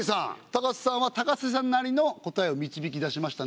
高瀬さんは高瀬さんなりの答えを導き出しました。